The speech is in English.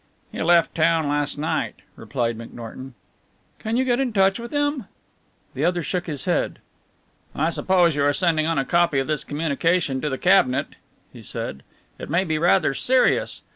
"He left town last night," replied McNorton. "Can you get in touch with him?" The other shook his head. "I suppose you are sending on a copy of this communication to the Cabinet," he said "it may be rather serious.